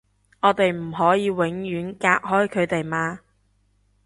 我哋唔可以永遠隔開佢哋嘛